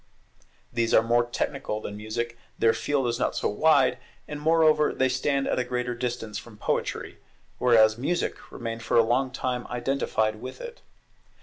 These are more technical than Music; their field is not so wide, and moreover they stand at a greater distance from poetry; whereas Music remained for a long time identified with it.